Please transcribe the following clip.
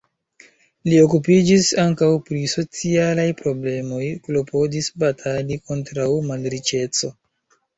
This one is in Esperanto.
Li okupiĝis ankaŭ pri socialaj problemoj, klopodis batali kontraŭ malriĉeco.